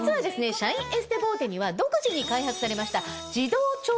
シャインエステボーテには独自に開発されました。